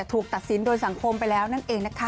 ถูกตัดสินโดยสังคมไปแล้วนั่นเองนะคะ